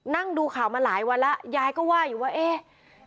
นั่งดูข่าวมาหลายวันแล้วยายก็ว่าอยู่ว่าเอ๊ะ